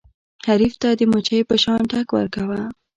حریف ته د مچۍ په شان ټک ورکوه.